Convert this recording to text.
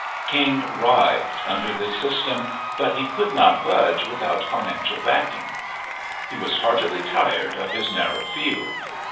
King writhed under this system, but he could 5^ JUST SWEETHEARTS not budge without financial backing. He was heartily tired of his narrow field.